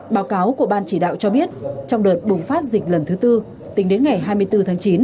báo cáo của ban chỉ đạo cho biết trong đợt bùng phát dịch lần thứ tư tính đến ngày hai mươi bốn tháng chín